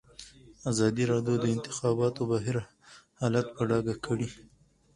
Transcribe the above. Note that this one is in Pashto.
ازادي راډیو د د انتخاباتو بهیر حالت په ډاګه کړی.